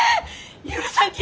許さんき！